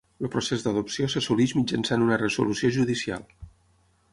El procés d'adopció s'assoleix mitjançant una resolució judicial.